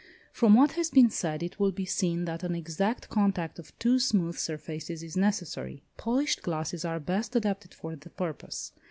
From what has been said it will be seen that an exact contact of two smooth surfaces is necessary. Polished glasses are best adapted for the purpose.